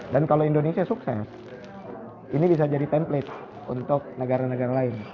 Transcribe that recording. dan kalau indonesia sukses ini bisa jadi template untuk negara negara lain